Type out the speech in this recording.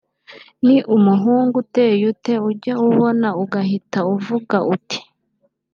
ni umuhungu uteye ute ujya ubona ugahita uvuga uti